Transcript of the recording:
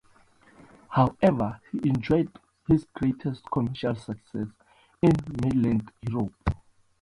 However, he enjoyed his greatest commercial success in mainland Europe.